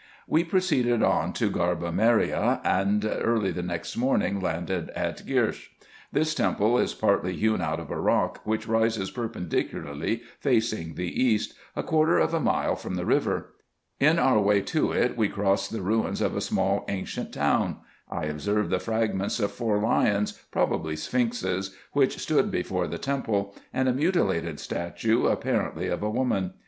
We proceeded on to Garba Merieh, and early the next morn ing landed at Gyrshe. This temple is partly hewn out of a rock, which rises perpendicularly, facing the east, a quarter of a mile from the river. In our way to it we crossed the ruins of a small ancient town. I observed the fragments of four lions, probably sphinxes, which stood before the temple ; and a mutilated statue, apparently of a woman.